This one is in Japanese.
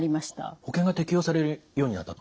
保険が適用されるようになったと。